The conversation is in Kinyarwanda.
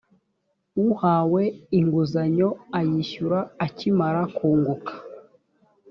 uwahawe inguzanyo ayishyura akimara kunguka